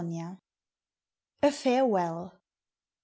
199 A FAREWELL.